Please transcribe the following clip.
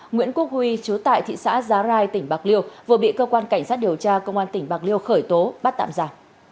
nguyễn quốc huy chú tại thị xã giá rai tỉnh bạc liêu vừa bị cơ quan cảnh sát điều tra công an tỉnh bạc liêu khởi tố bắt tạm giả